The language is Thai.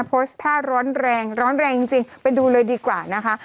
โพสต์ท่าร้อนแรงร้อนแรงจริงไปดูเลยดีกว่านะคะ